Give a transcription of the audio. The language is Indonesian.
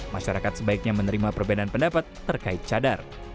masyarakat sebaiknya menerima perbedaan pendapat terkait cadar